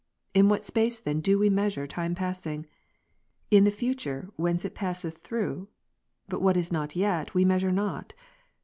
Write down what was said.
In what space then do we measure time passing ? In the future, whence it passeth through ? But what is not yet, we measure not.